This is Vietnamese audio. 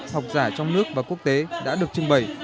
học giả trong nước và quốc tế đã được trưng bày